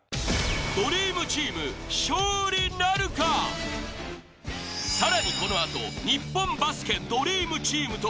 ドリームチーム更にこのあと日本バスケドリームチームと。